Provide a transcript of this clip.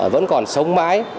vẫn còn sống mãi